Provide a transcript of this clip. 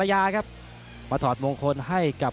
มาถอดมงคลให้กับมังกอนเพชรศรกสุงไฉยิมครับ